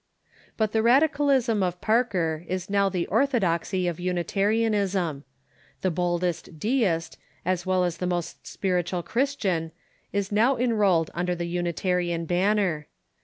But the radicalism of Parker is now the orthodoxy of Uni tarianism. The boldest Deist as well as the most spiritual Christian is now enrolled under the Unitarian banner.